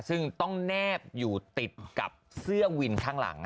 ซึ่งต้องแนบอยู่ติดกับเสื้อวินข้างหลัง